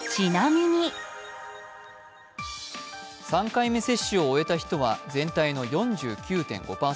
３回目接種を終えた人は全体の４９．５％。